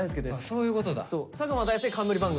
そういうことだ。